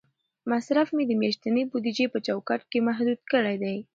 مصرف مې د میاشتنۍ بودیجې په چوکاټ کې محدود کړی دی.